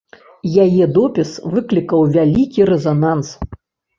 Яе допіс выклікаў вялікі рэзананс.